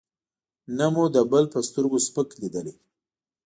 نه مو د بل په سترګو سپک لېدلی.